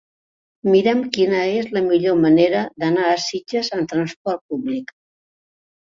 Mira'm quina és la millor manera d'anar a Sitges amb trasport públic.